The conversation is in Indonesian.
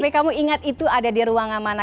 kamu ingat itu ada di ruangan mana